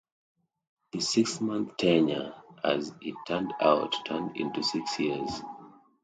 The six-month tenure, as it turned out, turned into six years.